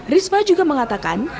risma juga mengatakan